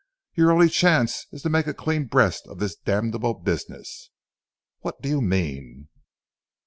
Your only chance is to make a clean breast of this damnable business." "What do you mean?"